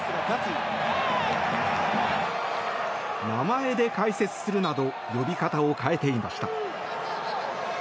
名前で解説するなど呼び方を変えていました。